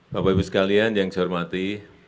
bapak ibu sekalian yang saya hormati